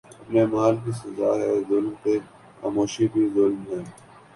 اپنے اعمال کی سزا ہے ظلم پہ خاموشی بھی ظلم ہے